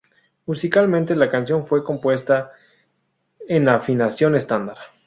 Musicalmente, la canción fue compuesta en afinación estándar.